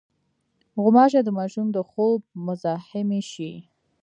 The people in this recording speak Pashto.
غوماشې د ماشوم د خوب مزاحمې شي.